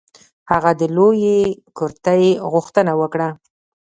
هغه د لویې کرتۍ غوښتنه وکړه.